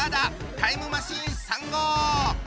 タイムマシーン３号！